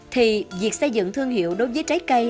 thì việc xây dựng thương hiệu đối với trái cây